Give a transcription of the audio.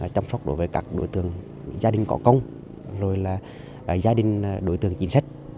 chăm sóc đối với các đối tượng gia đình có công gia đình đối tượng chính sách